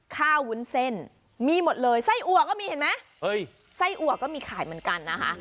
วุ้นเส้นมีหมดเลยไส้อัวก็มีเห็นไหมไส้อัวก็มีขายเหมือนกันนะคะ